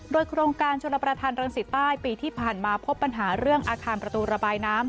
โดยโครงการชนประธานรังสิตใต้ปีที่ผ่านมาพบปัญหาเรื่องอาคารประตูระบายน้ำ